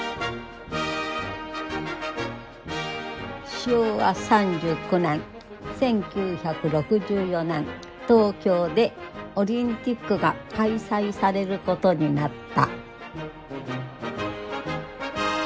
昭和３９年１９６４年東京でオリンピックが開催されることになった。